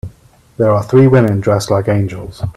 There are three women dressed like angels.